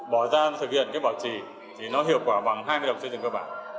bỏ ra thực hiện cái bảo trì thì nó hiệu quả bằng hai mươi đồng xây dựng cơ bản